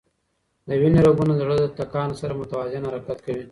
د وینې رګونه د زړه د ټکان سره متوازن حرکت کوي.